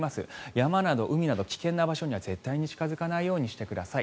山など海など危険な場所には絶対に近付かないようにしてください。